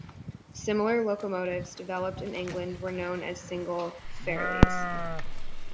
Similar locomotives developed in England were known as Single Fairlies.